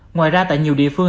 ngoài ra tại nhiều địa phương